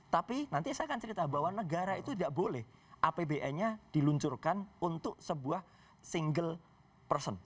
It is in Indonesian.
tapi nanti saya akan cerita bahwa negara itu tidak boleh apbn nya diluncurkan untuk sebuah single person